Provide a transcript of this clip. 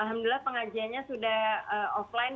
alhamdulillah pengajiannya sudah offline